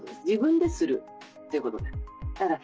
「自分でする」ということです。